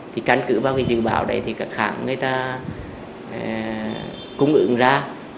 thì căn cứ bao nhiêu dự báo đấy thì cả kháng người ta cung ứng ra